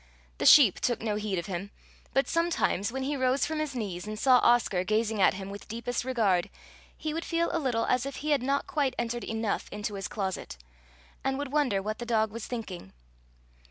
The sheep took no heed of him, but sometimes when he rose from his knees and saw Oscar gazing at him with deepest regard, he would feel a little as if he had not quite entered enough into his closet, and would wonder what the dog was thinking.